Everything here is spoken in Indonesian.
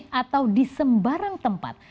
di masjid atau di sembarang tempat